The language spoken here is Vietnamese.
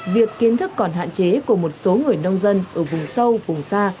việc kiến thức còn hạn chế của một số người nông dân ở vùng sâu vùng xa